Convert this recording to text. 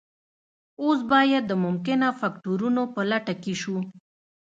اوس باید د ممکنه فکتورونو په لټه کې شو